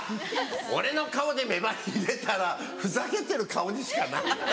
俺の顔で目張り入れたらふざけてる顔にしかならない。